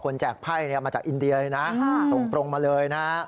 แจกไพ่มาจากอินเดียเลยนะส่งตรงมาเลยนะ